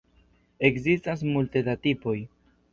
Ekzistas multe da tipoj.